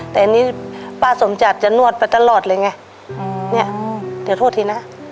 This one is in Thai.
แต่อันนี้ป้าสมจัดจะนวดไปตลอดเลยไงเนี่ยเดี๋ยวโทษทีนะ